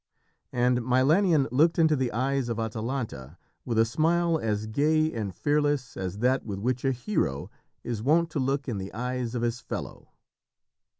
And Milanion looked into the eyes of Atalanta with a smile as gay and fearless as that with which a hero is wont to look in the eyes of his fellow.